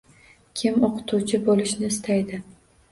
Kim o‘qituvchi bo‘lishni istaydi?